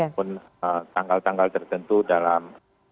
maupun tanggal tanggal tertentu dalam